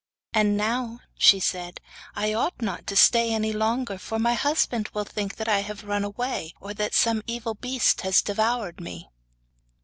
'And now,' she said, 'I ought not to stay any longer, for my husband will think that I have run away, or that some evil beast has devoured me.